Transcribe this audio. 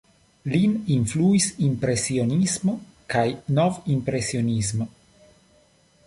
Lin influis Impresionismo kaj Nov-impresionismo.